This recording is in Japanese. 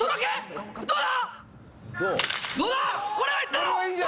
どうだ？